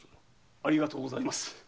ありがとうございます。